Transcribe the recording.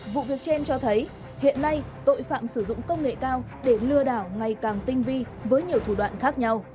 vụ việc trên cho thấy hiện nay tội phạm sử dụng công nghệ cao để lừa đảo ngày càng tinh vi với nhiều thủ đoạn khác nhau